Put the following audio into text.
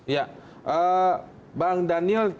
ya bang daniel